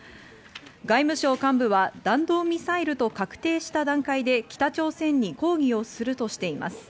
外務省幹部は弾道ミサイルと確定した段階で北朝鮮に抗議をするとしています。